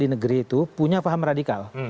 negeri itu punya paham radikal